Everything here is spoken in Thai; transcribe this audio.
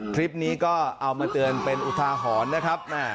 คลิปนี้ก็เอามาเตือนเป็นอุทาหรณ์นะครับ